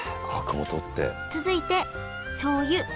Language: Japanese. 続いてしょうゆみりん